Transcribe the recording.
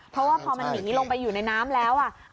เพราะว่าพอมันหนีลงไปอยู่ในน้ำแล้ว